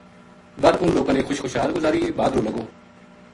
بر انھ لوکاں نے خوش خوشحال گزاری بھادرو لگو